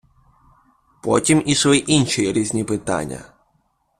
Потім ішли інші різні питання.